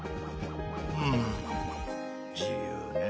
うん自由ねえ。